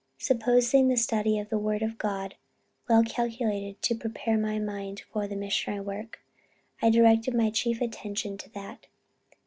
Supposing the study of the word of God well calculated to prepare my mind for the missionary work, I directed my chief attention to that.